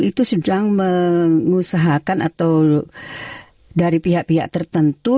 itu sedang mengusahakan atau dari pihak pihak tertentu